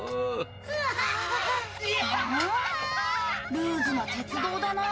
ルーズな鉄道だなぁ。